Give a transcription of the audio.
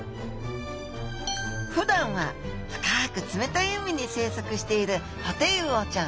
ふだんは深く冷たい海に生息しているホテイウオちゃん。